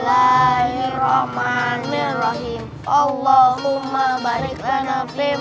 allahumma balikkan afim